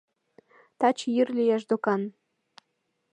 Таче йӱр лиеш докан.